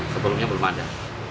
sebelumnya belum ada